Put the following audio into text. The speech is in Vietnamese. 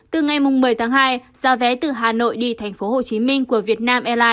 từ ngày một mươi tháng hai giao vé từ hà nội đi tp hcm của việt nam